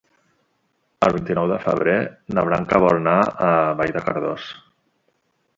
El vint-i-nou de febrer na Blanca vol anar a Vall de Cardós.